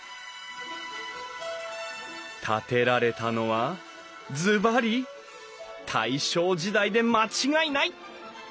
建てられたのはズバリ大正時代で間違いない！